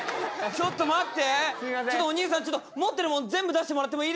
ちょっと待って。